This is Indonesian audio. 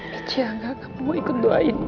michi yang gak akan mau ikut doain